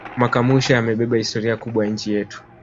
makumusho yamebeba historia kubwa ya nchi yetu